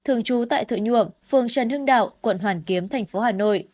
thường trú tại thợ nhuộm phường trần hưng đạo quận hoàn kiếm thành phố hà nội